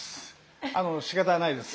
あのしかたがないです。